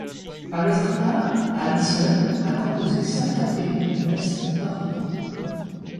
Palestrina à lui seul a composé cinquante-et-une messes parodies.